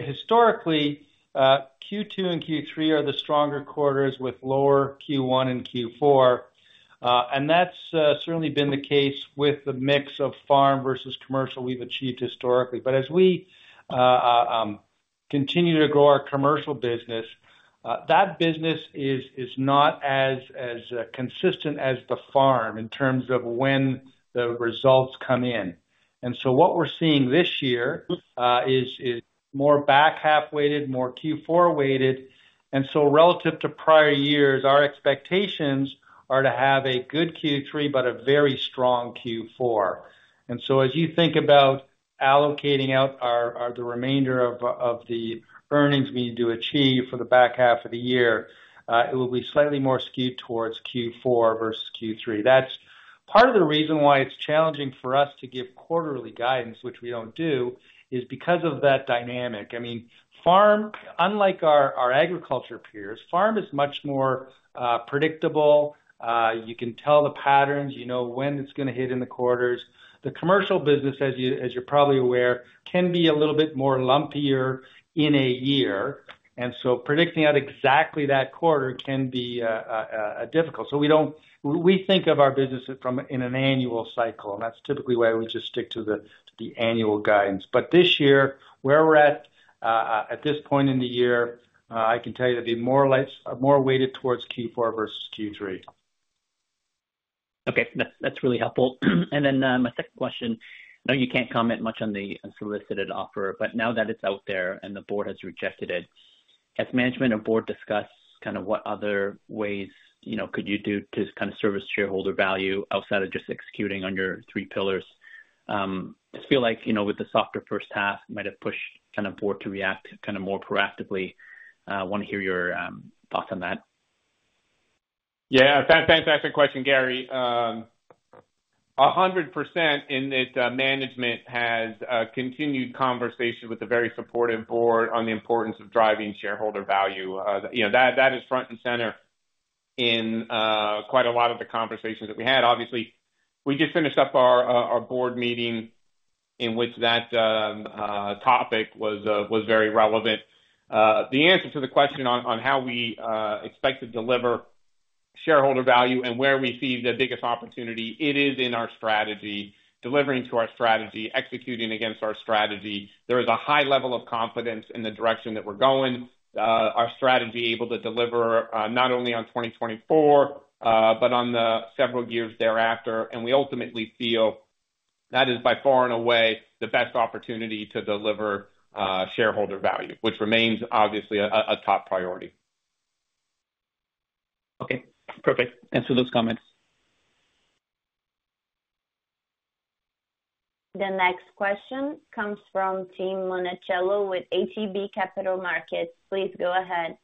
[SPEAKER 3] historically, Q2 and Q3 are the stronger quarters with lower Q1 and Q4. That's certainly been the case with the mix of farm versus commercial we've achieved historically. But as we continue to grow our commercial business, that business is not as consistent as the farm in terms of when the results come in. And so what we're seeing this year is more back half-weighted, more Q4-weighted. And so relative to prior years, our expectations are to have a good Q3, but a very strong Q4. And so as you think about allocating out our the remainder of the earnings we need to achieve for the back half of the year, it will be slightly more skewed towards Q4 versus Q3. That's part of the reason why it's challenging for us to give quarterly guidance, which we don't do, is because of that dynamic. I mean, farm, unlike our agriculture peers, farm is much more predictable. You can tell the patterns, you know when it's going to hit in the quarters. The commercial business, as you're probably aware, can be a little bit more lumpier in a year, and so predicting out exactly that quarter can be difficult. So we don't we think of our business from, in an annual cycle, and that's typically why we just stick to the annual guidance. But this year, where we're at, at this point in the year, I can tell you it'll be more like, more weighted towards Q4 versus Q3.
[SPEAKER 7] Okay. That's really helpful. And then, my second question, I know you can't comment much on the unsolicited offer, but now that it's out there and the board has rejected it, has management and board discussed kind of what other ways, you know, could you do to kind of service shareholder value outside of just executing on your three pillars? I feel like, you know, with the softer first half, you might have pushed kind of board to react kind of more proactively. Want to hear your thoughts on that.
[SPEAKER 2] Yeah, fantastic question, Gary. A hundred percent in this, management has a continued conversation with a very supportive board on the importance of driving shareholder value. You know, that, that is front and center in quite a lot of the conversations that we had. Obviously, we just finished up our board meeting in which that topic was very relevant. The answer to the question on how we expect to deliver shareholder value and where we see the biggest opportunity, it is in our strategy, delivering to our strategy, executing against our strategy. There is a high level of confidence in the direction that we're going. Our strategy able to deliver not only on 2024, but on the several years thereafter. We ultimately feel that is by far and away the best opportunity to deliver shareholder value, which remains obviously a top priority.
[SPEAKER 7] Okay, perfect. Thanks for those comments.
[SPEAKER 1] The next question comes from Tim Monachello with ATB Capital Markets. Please go ahead.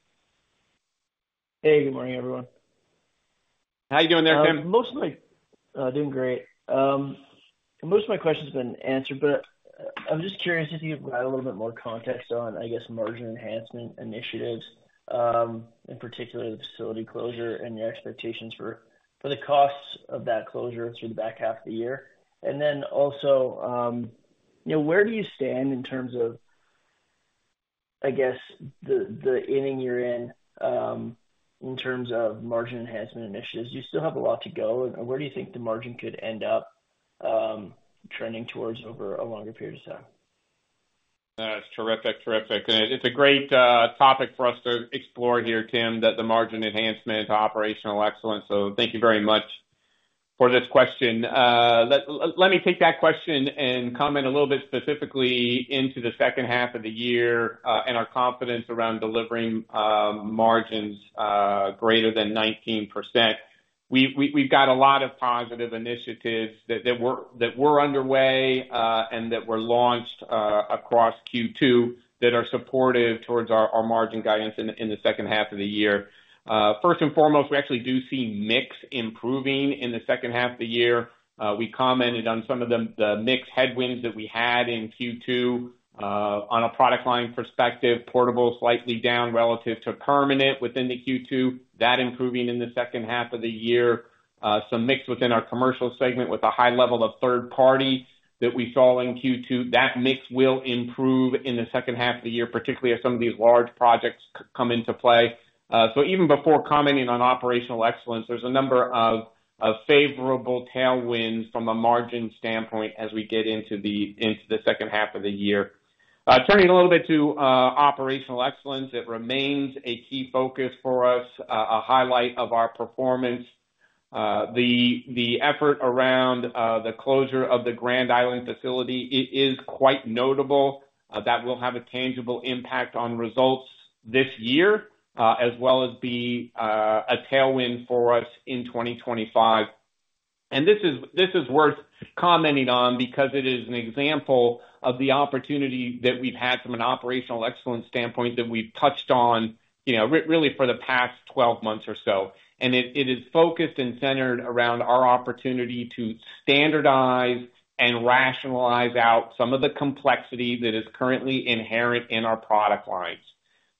[SPEAKER 8] Hey, good morning, everyone.
[SPEAKER 2] How are you doing there, Tim?
[SPEAKER 8] Doing great. Most of my questions have been answered, but I'm just curious if you could provide a little bit more context on, I guess, margin enhancement initiatives, in particular, the facility closure and your expectations for, for the costs of that closure through the back half of the year. And then also, you know, where do you stand in terms of, I guess, the, the inning you're in, in terms of margin enhancement initiatives? Do you still have a lot to go, and where do you think the margin could end up, trending towards over a longer period of time?
[SPEAKER 2] That's terrific, terrific. It's a great topic for us to explore here, Tim, that the margin enhancement, operational excellence. So thank you very much for this question. Let me take that question and comment a little bit specifically into the second half of the year, and our confidence around delivering margins greater than 19%. We've got a lot of positive initiatives that were underway, and that were launched across Q2, that are supportive towards our margin guidance in the second half of the year. First and foremost, we actually do see mix improving in the second half of the year. We commented on some of the mix headwinds that we had in Q2, on a product line perspective, portable, slightly down relative to permanent within the Q2. That improving in the second half of the year. Some mix within our Commercial segment with a high level of third party that we saw in Q2. That mix will improve in the second half of the year, particularly as some of these large projects come into play. So even before commenting on operational excellence, there's a number of favorable tailwinds from a margin standpoint as we get into the second half of the year. Turning a little bit to operational excellence. It remains a key focus for us, a highlight of our performance. The effort around the closure of the Grand Island facility, it is quite notable. That will have a tangible impact on results this year, as well as be a tailwind for us in 2025. This is worth commenting on because it is an example of the opportunity that we've had from an operational excellence standpoint that we've touched on, you know, really for the past 12 months or so. It is focused and centered around our opportunity to standardize and rationalize out some of the complexity that is currently inherent in our product lines.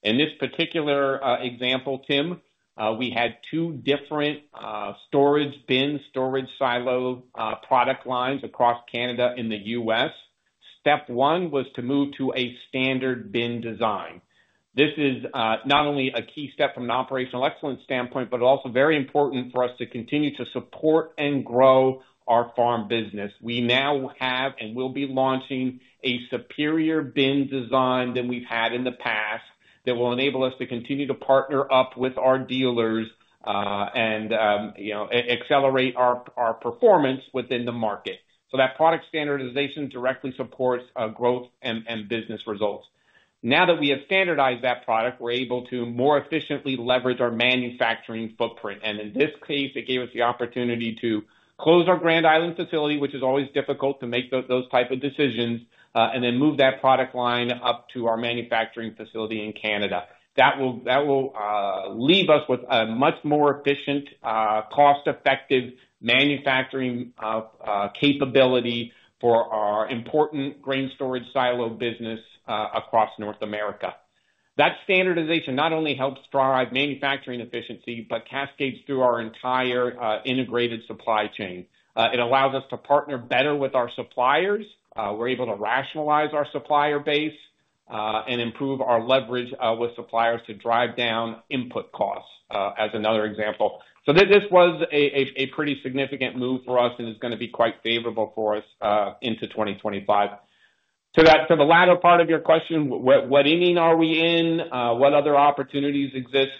[SPEAKER 2] In this particular example, Tim, we had two different storage bin, storage silo product lines across Canada and the U.S. Step one was to move to a standard bin design. This is not only a key step from an operational excellence standpoint, but also very important for us to continue to support and grow our farm business. We now have, and will be launching a superior bin design than we've had in the past, that will enable us to continue to partner up with our dealers, and, you know, accelerate our performance within the market. So that product standardization directly supports growth and business results. Now that we have standardized that product, we're able to more efficiently leverage our manufacturing footprint. And in this case, it gave us the opportunity to close our Grand Island facility, which is always difficult to make those type of decisions, and then move that product line up to our manufacturing facility in Canada. That will leave us with a much more efficient, cost-effective manufacturing capability for our important grain storage silo business across North America. That standardization not only helps drive manufacturing efficiency, but cascades through our entire integrated supply chain. It allows us to partner better with our suppliers. We're able to rationalize our supplier base and improve our leverage with suppliers to drive down input costs as another example. So this was a pretty significant move for us, and it's gonna be quite favorable for us into 2025. To the latter part of your question, what inning are we in? What other opportunities exist?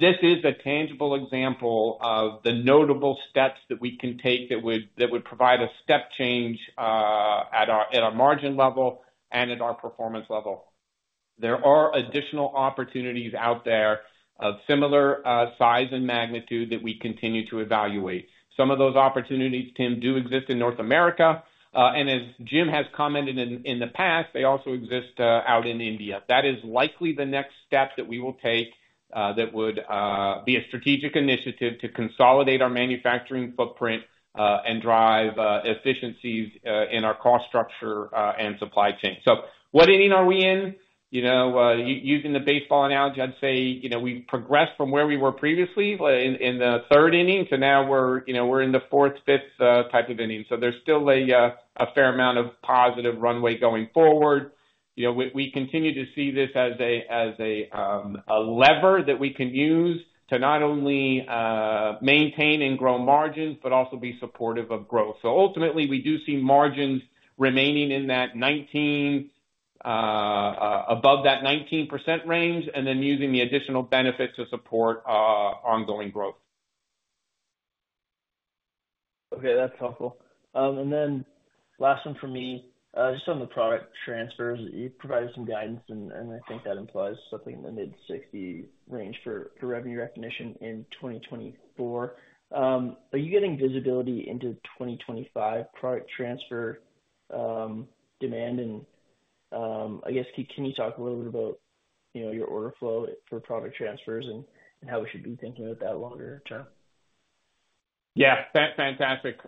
[SPEAKER 2] This is a tangible example of the notable steps that we can take that would provide a step change at our margin level and at our performance level. There are additional opportunities out there of similar size and magnitude that we continue to evaluate. Some of those opportunities, Tim, do exist in North America, and as Jim has commented in the past, they also exist out in India. That is likely the next step that we will take, that would be a strategic initiative to consolidate our manufacturing footprint, and drive efficiencies in our cost structure, and supply chain. So what inning are we in? You know, using the baseball analogy, I'd say, you know, we progressed from where we were previously, in the third inning to now we're, you know, we're in the fourth, fifth type of inning. So there's still a fair amount of positive runway going forward. You know, we continue to see this as a lever that we can use to not only maintain and grow margins, but also be supportive of growth. So ultimately, we do see margins remaining in that 19, above that 19% range, and then using the additional benefits to support ongoing growth.
[SPEAKER 8] Okay, that's helpful. And then last one for me. Just on the product transfers, you provided some guidance, and I think that implies something in the mid-60 range for revenue recognition in 2024. Are you getting visibility into 2025 product transfer demand? And I guess can you talk a little bit about, you know, your order flow for product transfers and how we should be thinking about that longer term?
[SPEAKER 2] Yeah, fantastic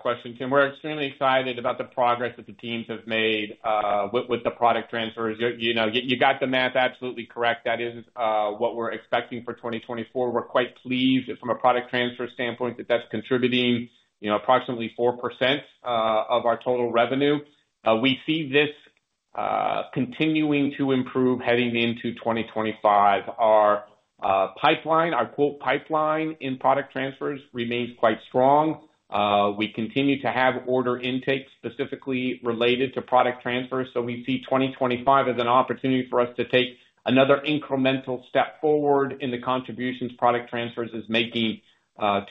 [SPEAKER 2] question, Tim. We're extremely excited about the progress that the teams have made with the product transfers. You know, you got the math absolutely correct. That is what we're expecting for 2024. We're quite pleased that from a product transfer standpoint, that's contributing, you know, approximately 4% of our total revenue. We see this continuing to improve heading into 2025. Our pipeline, our quote "pipeline" in product transfers remains quite strong. We continue to have order intakes, specifically related to product transfers, so we see 2025 as an opportunity for us to take another incremental step forward in the contributions product transfers is making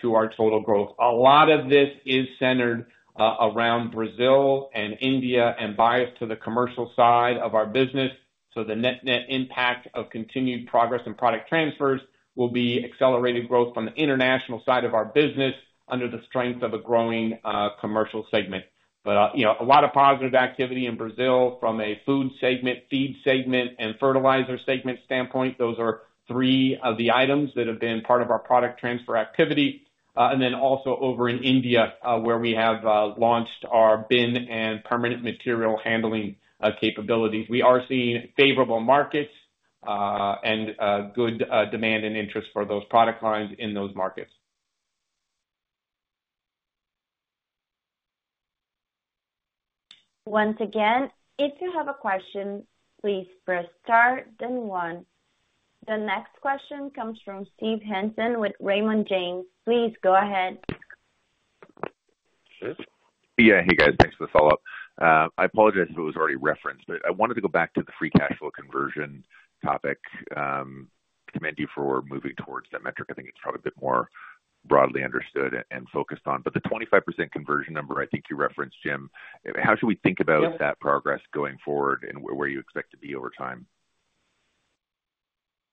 [SPEAKER 2] to our total growth. A lot of this is centered around Brazil and India, and biased to the commercial side of our business, so the net-net impact of continued progress and product transfers will be accelerated growth on the international side of our business, under the strength of a growing Commercial segment. But you know, a lot of positive activity in Brazil from a Food segment, Feed segment, and Fertilizer segment standpoint. Those are three of the items that have been part of our product transfer activity. And then also over in India, where we have launched our bin and permanent material handling capabilities. We are seeing favorable markets and good demand and interest for those product lines in those markets.
[SPEAKER 1] Once again, if you have a question, please press star, then one. The next question comes from Steve Hansen with Raymond James. Please go ahead.
[SPEAKER 6] Yeah. Hey, guys, thanks for the follow-up. I apologize if it was already referenced, but I wanted to go back to the free cash flow conversion topic. Commend you for moving towards that metric. I think it's probably a bit more broadly understood and, and focused on, but the 25% conversion number, I think you referenced, Jim, how should we think about that progress going forward and where you expect to be over time?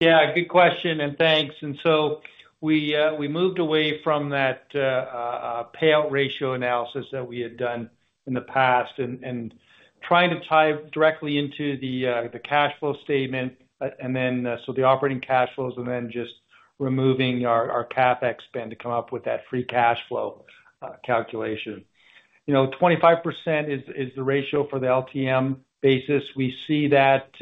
[SPEAKER 3] Yeah, good question, and thanks. And so we moved away from that payout ratio analysis that we had done in the past and trying to tie directly into the cash flow statement, and then so the operating cash flows and then just removing our CapEx spend to come up with that free cash flow calculation. You know, 25% is the ratio for the LTM basis. We see that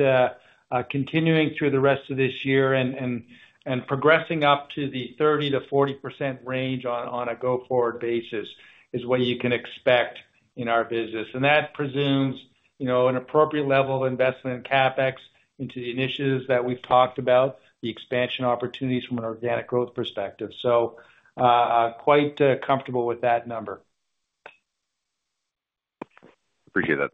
[SPEAKER 3] continuing through the rest of this year and progressing up to the 30%-40% range on a go-forward basis, is what you can expect in our business. And that presumes, you know, an appropriate level of investment in CapEx into the initiatives that we've talked about, the expansion opportunities from an organic growth perspective. So, quite comfortable with that number.
[SPEAKER 6] Appreciate that.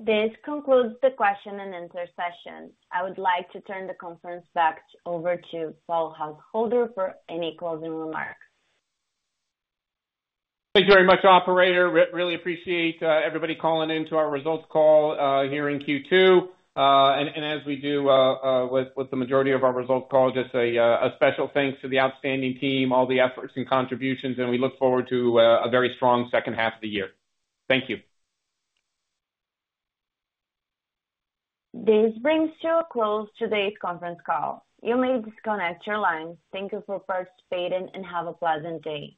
[SPEAKER 6] Thank you.
[SPEAKER 1] This concludes the question and answer session. I would like to turn the conference back over to Paul Householder for any closing remarks.
[SPEAKER 3] Thank you very much, operator. Really appreciate everybody calling in to our results call here in Q2. And as we do with the majority of our results calls, just a special thanks to the outstanding team, all the efforts and contributions, and we look forward to a very strong second half of the year. Thank you.
[SPEAKER 1] This brings to a close today's conference call. You may disconnect your lines. Thank you for participating and have a pleasant day.